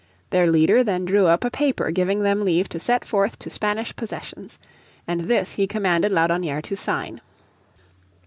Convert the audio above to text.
Their leader then drew up a paper giving them leave to set forth to Spanish possessions. And this he commanded Laudonnière to sign.